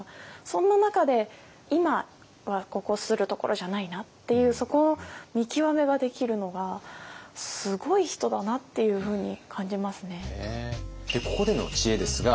そんな中で今はここするところじゃないなっていうそこの見極めができるのがすごい人だなっていうふうに感じますね。